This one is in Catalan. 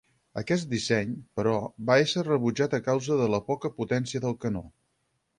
Aquest disseny, però, va ésser rebutjat a causa de la poca potència del canó.